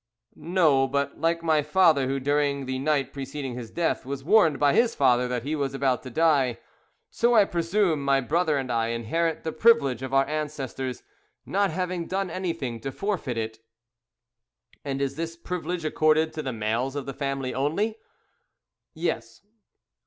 "No; but like my father, who, during the night preceding his death, was warned by his father that he was about to die, so I presume my brother and I inherit the privilege of our ancestors, not having done anything to forfeit it." "And is this privilege accorded to the males of the family only?" "Yes."